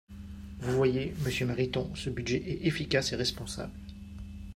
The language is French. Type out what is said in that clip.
Vous voyez, monsieur Mariton, ce budget est efficace et responsable.